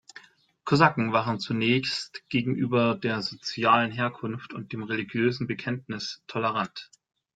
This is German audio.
Kosaken waren zunächst gegenüber der sozialen Herkunft und dem religiösen Bekenntnis tolerant.